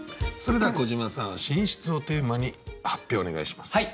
それでは小島さん「寝室」をテーマに発表お願いします。